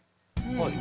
はい。